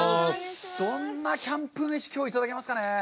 どんなキャンプ飯、きょうはいただけますかね。